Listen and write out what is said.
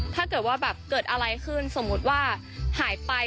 ถ้าเกิดว่าแบบเกิดอะไรขึ้นสมมุติว่าหายไป